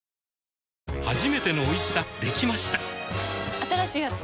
新しいやつ？